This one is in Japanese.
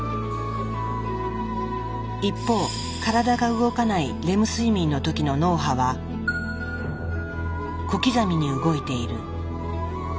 一方体が動かないレム睡眠の時の脳波は小刻みに動いている。